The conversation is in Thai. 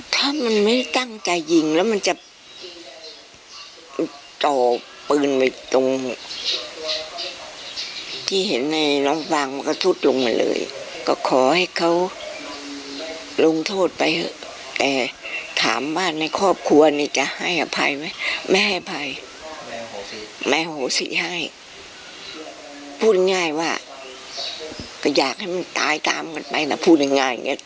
พูดง่ายว่าก็อยากให้มันตายตามกันไปแต่พูดง่ายอย่างนี้